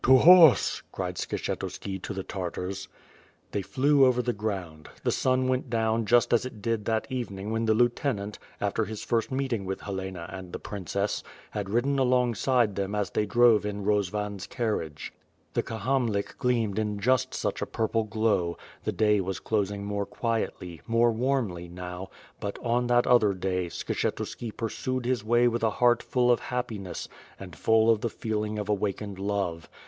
"To horse!" cried Skshetuski, to the Tartars. They flew over the ground. The sun went down just as it did that evening when the lieutenant, after his first meet ing with Helena and the princess, had riden alongside them as they drove in Rozvan's carriage. The Kahamlik gleamed in just such a purple glow, the day was closing more quietly, more warmly, now, but, on that other day, Skshetuski pur sued his way with a heart full of happiness and full of the feeling of awakened love.